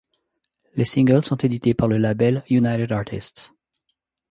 Les singles sont édités par le label United Artists.